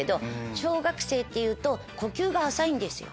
小学生っていうと呼吸が浅いんですよ。